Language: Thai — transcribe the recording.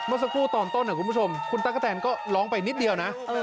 เมื่อสักครู่ตอบต้นคุณตั๊กก็ร้องไปนิดเดียวนะ